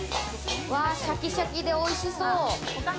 シャキシャキでおいしそう！